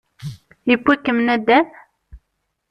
Yewwi-kem nuddam?